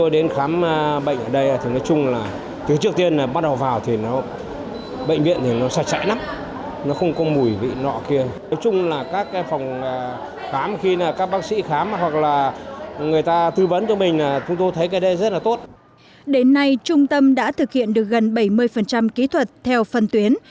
đến nay trung tâm đã thực hiện được gần bảy mươi kỹ thuật theo phần tuyến